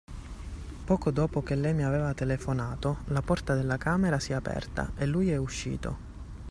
Poco dopo che lei mi aveva telefonato, la porta della camera si è aperta e lui è uscito.